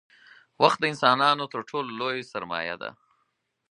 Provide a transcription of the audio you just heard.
• وخت د انسانانو تر ټولو لوی سرمایه دی.